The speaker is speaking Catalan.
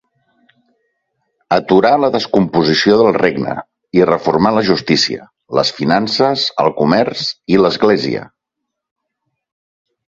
Aturà la descomposició del regne i reformà la justícia, les finances, el comerç i l'Església.